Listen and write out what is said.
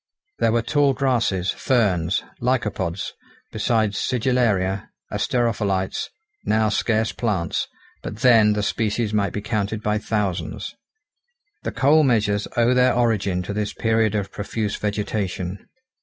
There were tall grasses, ferns, lycopods, besides sigillaria, asterophyllites, now scarce plants, but then the species might be counted by thousands. The coal measures owe their origin to this period of profuse vegetation.